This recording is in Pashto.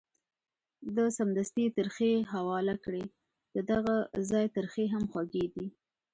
ده سمدستي ترخې حواله کړې، ددغه ځای ترخې هم خوږې دي.